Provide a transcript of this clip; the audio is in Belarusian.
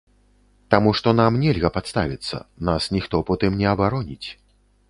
Таму што нам нельга падставіцца, нас ніхто потым не абароніць.